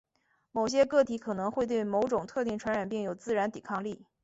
某些个体可能会对某种特定传染病有自然抵抗力。